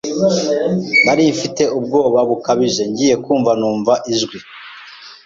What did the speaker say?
nari mfite ubwoba bukabije, ngiy kumva numva ijwi